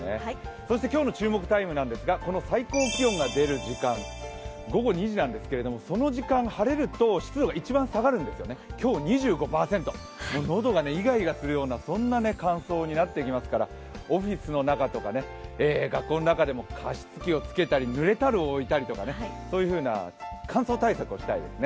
そして今日の注目タイムなんですが、この最高気温が出る時間、午後２時なんですけれどもこの時間晴れると今日、２５％もう喉がイガイガするようなそんな乾燥になってきますからオフィスとか学校の中でも加湿器をつけたり、濡れタオルを置いたりという乾燥対策をしたいですね。